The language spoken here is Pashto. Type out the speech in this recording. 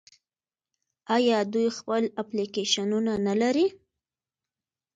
آیا دوی خپل اپلیکیشنونه نلري؟